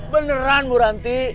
beneran bu ranti